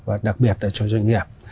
và đặc biệt là cho doanh nghiệp